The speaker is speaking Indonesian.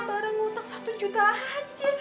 barang hutang satu juta aja